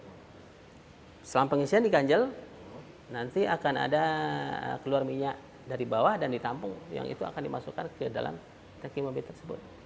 setelah pengisian diganjel nanti akan ada keluar minyak dari bawah dan ditampung yang itu akan dimasukkan ke dalam tanki mobil tersebut